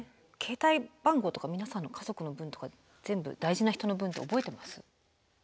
携帯番号とか皆さん家族の分とか全部大事な人の分って覚えてます？